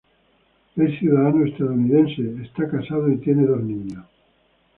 Es ciudadano estadounidense, está casado y tiene dos niños.